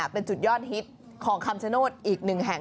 เป็นจุดยอดฮิตของคำฉโน้นอีกหนึ่ง